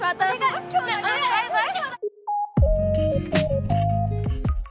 バイバイ。